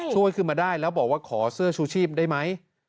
ช่วยขึ้นมาได้แล้วบอกว่าขอเสื้อชูชีพได้ไหม